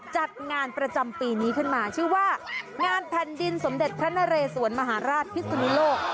จัดงานประจำปีนี้ขึ้นมาชื่อว่างานแผ่นดินสมเด็จพระนเรสวนมหาราชพิศนุโลก